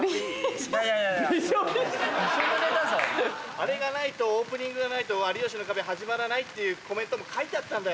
あれがないとオープニングがないと『有吉の壁』始まらないっていうコメントも書いてあったんだよ。